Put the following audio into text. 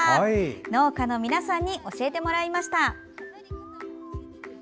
農家の皆さんに教えてもらいました。